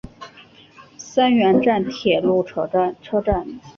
三原站铁路车站。